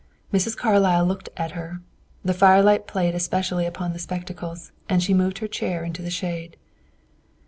Mrs. Carlyle looked at her. The firelight played especially upon the spectacles, and she moved her chair into the shade.